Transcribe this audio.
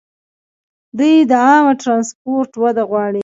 دوی د عامه ټرانسپورټ وده غواړي.